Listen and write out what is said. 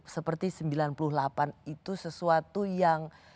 seperti sembilan puluh delapan itu sesuatu yang